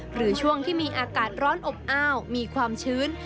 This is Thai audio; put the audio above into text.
หรือช่วงที่มีอากาศร้อนอบอ้าวมีความชื้น